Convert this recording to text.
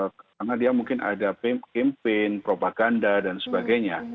karena dia mungkin ada kempen propaganda dan sebagainya